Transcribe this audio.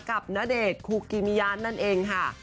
กับณเดชน์คูกิมิยานนั่นเองค่ะ